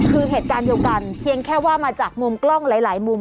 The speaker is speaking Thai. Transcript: คือเหตุการณ์เดียวกันเพียงแค่ว่ามาจากมุมกล้องหลายมุม